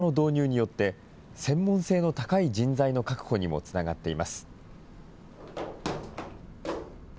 ジョブ型の導入によって、専門性の高い人材の確保にもつながっています。